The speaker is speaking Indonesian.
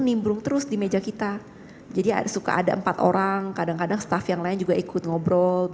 nimbrung terus di meja kita jadi suka ada empat orang kadang kadang staff yang lain juga ikut ngobrol